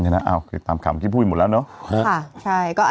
เนี่ยนะอ้าวตามขำที่พูดหมดร้านเนาะ